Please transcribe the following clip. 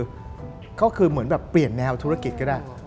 ก็คือเหมือนแบบเปลี่ยนแนวธุรกิจก็ได้